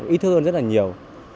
ý thức hơn rất là nhiều